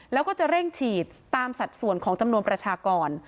แล้วก็จะเร่งฉีดตามสัดส่วนของจำนวนประชากร